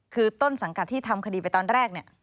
คือต้นสังการตามคดีไปตอนแรกนี่